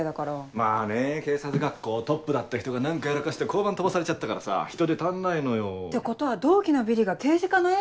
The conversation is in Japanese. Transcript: まぁね警察学校トップだった人が何かやらかして交番飛ばされちゃったからさ人手足んないのよ。ってことは同期のビリが刑事課のエース？